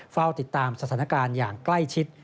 เฝ้าติดตามสถานการณ์อย่างใกล้ชิด